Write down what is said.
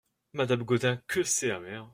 Madame Gaudin Que c'est amer !